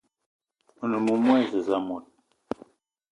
One moumoua e zez mot